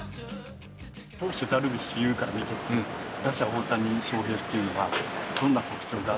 投手、ダルビッシュ有から見て、打者、大谷翔平というのは、どうな特長が？